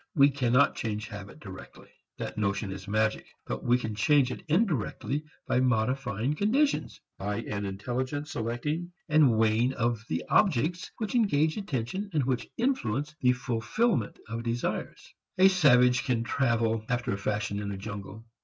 We cannot change habit directly: that notion is magic. But we can change it indirectly by modifying conditions, by an intelligent selecting and weighting of the objects which engage attention and which influence the fulfilment of desires. A savage can travel after a fashion in a jungle.